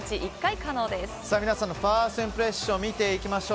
皆さんのファーストインプレッション見ていきましょう。